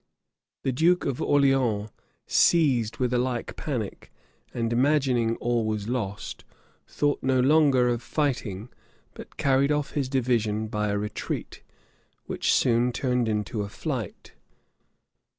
The duke of Orleans, seized with alike panic, and imagining all was lost, thought no longer of fighting, but carried off his division by a retreat, which soon turned into a flight.